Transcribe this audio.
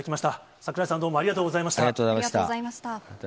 櫻井さん、どうもありがとうござありがとうございました。